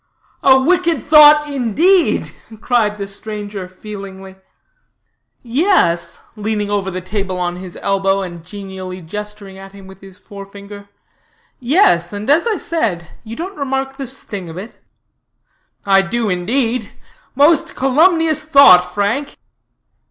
"A wicked thought, indeed!" cried the stranger, feelingly. "Yes," leaning over the table on his elbow and genially gesturing at him with his forefinger: "yes, and, as I said, you don't remark the sting of it?" "I do, indeed. Most calumnious thought, Frank!"